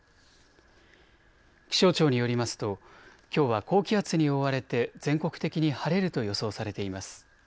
気象庁によりますときょうは高気圧に覆われて全国的に晴れると予想されています。